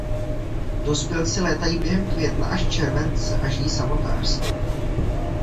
Dospělci létají během května až července a žijí samotářsky.